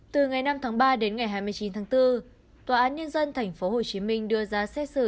từ ngày năm tháng ba đến ngày hai mươi chín tháng bốn tòa án nhân dân tp hcm đưa ra xét xử